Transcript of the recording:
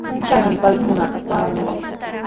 Chaymi paykunapa trakranqa.